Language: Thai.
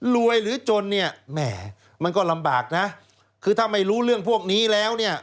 หรือจนเนี่ยแหมมันก็ลำบากนะคือถ้าไม่รู้เรื่องพวกนี้แล้วเนี่ย